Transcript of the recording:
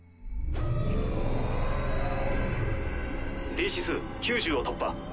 Ｄ指数９０を突破。